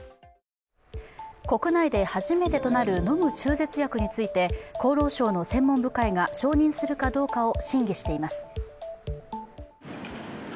国内で初めてとなる飲む中絶薬について厚労省の専門部会が承認するかどうかを審議しています。